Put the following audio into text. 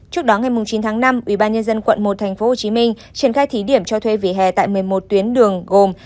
trước đó ngày chín tháng năm ubnd quận một tp hcm triển khai thí điểm cho thuê vỉa hè tại một mươi một tuyến đường gồm